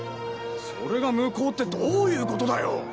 それが無効ってどういうことだよ！